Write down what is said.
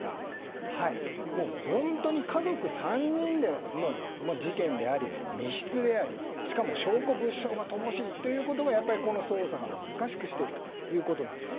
本当に家族３人での事件であり密室でありしかも証拠・物証が乏しいということが捜査を難しくしているということなんです。